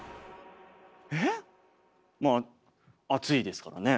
えっまあ暑いですからね。